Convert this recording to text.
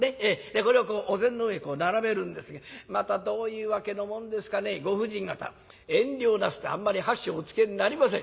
これをお膳の上に並べるんですけどまたどういうわけのもんですかねご婦人方遠慮なすってあんまり箸をおつけになりません。